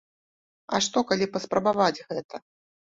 А што калі паспрабаваць гэта?